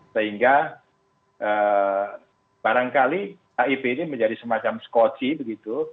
sehingga barangkali aip ini menjadi semacam scotchy begitu